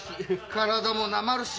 体もなまるし。